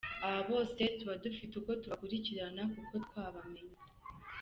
Aba bose tuba dufite uko tubakurikirana kuko twabamenye.